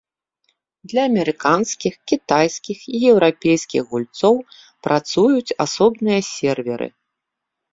Для амерыканскіх, кітайскіх і еўрапейскіх гульцоў працуюць асобныя серверы.